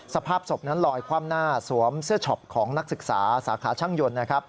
สภาพศพนั้นลอยคว่ำหน้าสวมเสื้อช็อปของนักศึกษาสาขาช่างยนต์นะครับ